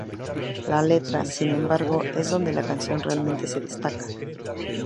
La letra, sin embargo, es donde la canción realmente se destaca.